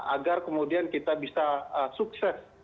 agar kemudian kita bisa sukses